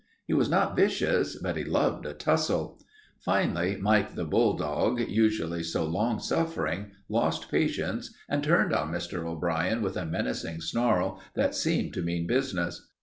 He was not vicious, but he loved a tussle. Finally Mike the bulldog, usually so long suffering, lost patience and turned on Mr. O'Brien with a menacing snarl that seemed to mean business.